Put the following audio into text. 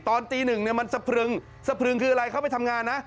ตอนตีหนึ่งมันสะพรึงสะพรึงคืออะไรเข้าไปทำงานนะ